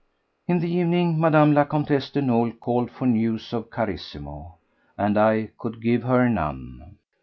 In the evening Mme. la Comtesse de Nolé called for news of Carissimo, and I could give her none.